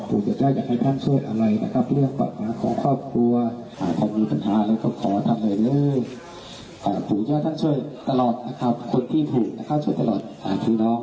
ที่น้องแห้งนี้ว่าอะไรนะครับปู่ย่าช่วยทุกคนเลย